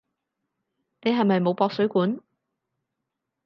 你係咪冇駁水管？